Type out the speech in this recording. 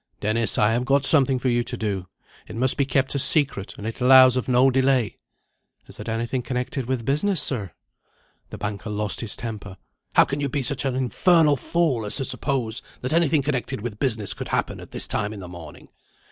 "Dennis, I have got something for you to do. It must be kept a secret, and it allows of no delay." "Is it anything connected with business, sir?" The banker lost his temper. "How can you be such an infernal fool as to suppose that anything connected with business could happen at this time in the morning?